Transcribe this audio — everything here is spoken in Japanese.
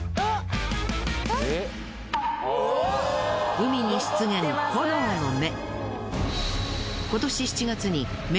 海に出現炎の目。